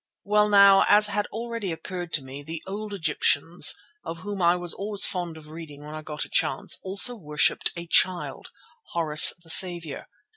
Well now, as had already occurred to me, the old Egyptians, of whom I was always fond of reading when I got a chance, also worshipped a child, Horus the Saviour.